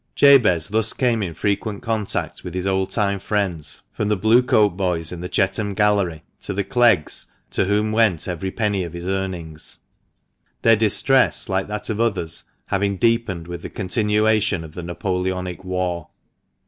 Jabez thus came in frequent contact with his old time friends, from the Blue coat boys in the Chetham Gallery to the Cleggs, to whom went every penny of his earnings ; their distress, like that of others, having deepened with the continuation of the Napoleonic war.